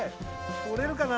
とれるかな？